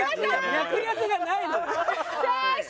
脈絡がないのよ。